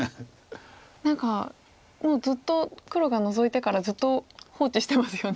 何かもうずっと黒がノゾいてからずっと放置してますよね。